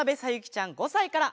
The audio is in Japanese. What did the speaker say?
ちゃん５さいから。